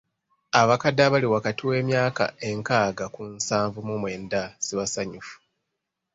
Abakadde abali wakati w'emyaka enkaaga ku nsanvu mu mwenda si basanyufu.